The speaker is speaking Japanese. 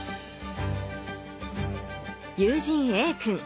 友人Ａ君。